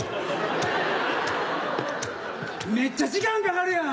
めっちゃ時間かかるやん。